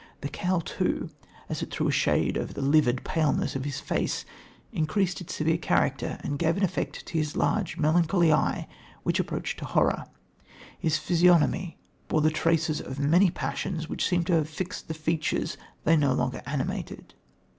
The cowl, too, as it threw a shade over the livid paleness of his face increased its severe character and gave an effect to his large, melancholy eye which approached to horror ... his physiognomy ... bore the traces of many passions which seemed to have fixed the features they no longer animated.